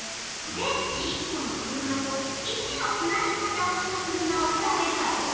電池１この車と①のつなぎ方をした車をくらべるわよ。